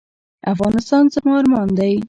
افغانستان زما ارمان دی؟